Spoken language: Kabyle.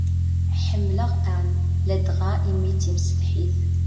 Ḥemmleɣ Anne ladɣa imi d timsetḥit.